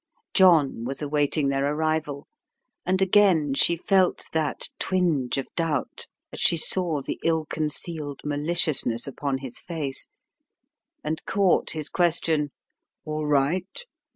John was awaiting their arrival and again she felt that twinge of doubt as she saw the ill concealed ma liciousness upon his face, and caught his question: "All right?"